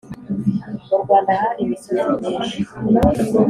mu rwanda, hari imisozi myinshi